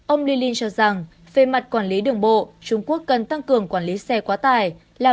ông li linh cho rằng về mặt quản lý đường bộ trung quốc cần tăng cường quản lý xe quá tải